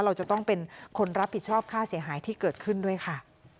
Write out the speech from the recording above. เราจะต้องเป็นคนรับผิดชอบค่าเสียหายที่เกิดขึ้นด้วยค่ะ